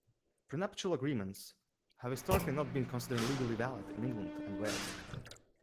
Prenuptial agreements have historically not been considered legally valid in England and Wales.